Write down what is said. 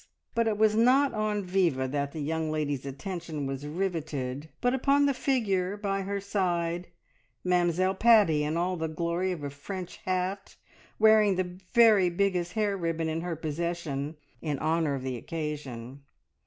But it was not on Viva that the young lady's attention was riveted, but upon the figure by her side Mamzelle Paddy in all the glory of a French hat, wearing the very biggest hair ribbon in her possession, in honour of the occasion.